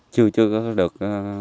chưa chưa được